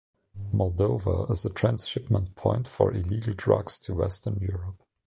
Moldova is a transshipment point for illegal drugs to Western Europe.